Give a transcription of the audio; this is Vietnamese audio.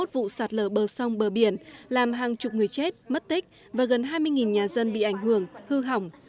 bốn trăm bốn mươi một vụ sạt lở bờ sông bờ biển làm hàng chục người chết mất tích và gần hai mươi nhà dân bị ảnh hưởng hư hỏng